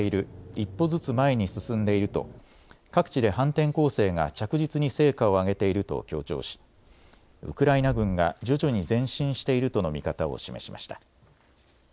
１歩ずつ前に進んでいると各地で反転攻勢が着実に成果を上げていると強調しウクライナ軍が徐々に前進しているとの見方を示しました。